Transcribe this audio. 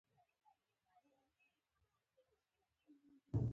ایا زما سترګې به ښې شي؟